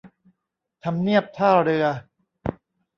ทำเนียบท่าเรือ